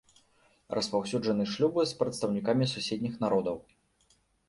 Распаўсюджаны шлюбы з прадстаўнікамі суседніх народаў.